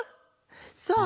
さあ